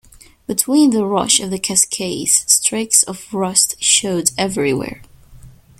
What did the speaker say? Between the rush of the cascades, streaks of rust showed everywhere.